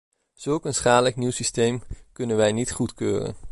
Zulk een schadelijk nieuw systeem kunnen wij niet goedkeuren.